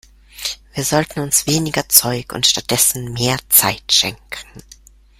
Wir sollten uns weniger Zeug und stattdessen mehr Zeit schenken.